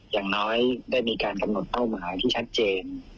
อย่างน้อยได้มีการกำหนดเป้าหมายที่ชัดเจน